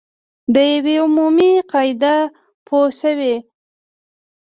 دا یوه عمومي قاعده ده پوه شوې!.